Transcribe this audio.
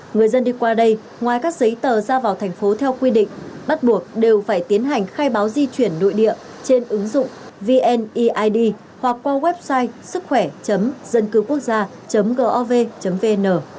người dân đi qua đây ngoài các giấy tờ ra vào thành phố theo quy định bắt buộc đều phải tiến hành khai báo di chuyển nội địa trên ứng dụng vneid hoặc qua website sứckhỏe dâncưuquốcgia gov vn